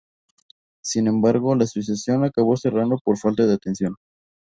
Sin embargo, la asociación acabó cerrando por falta de atención.